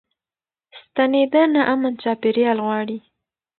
ستنېدنه امن چاپيريال غواړي.